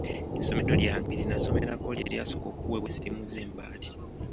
Essomero lyange lye nnasomerako lye lyasooka okuweebwa essimu z'embaati.